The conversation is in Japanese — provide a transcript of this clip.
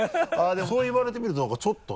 でもそう言われてみると何かちょっとね。